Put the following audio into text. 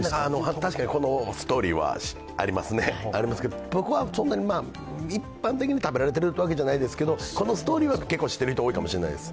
確かにこのストーリーはありますけど、一般的に食べられてるというわけではないですけど、このストーリーは結構知っている人、多いかもしれないです。